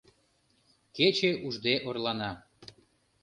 Кече ужде орлана.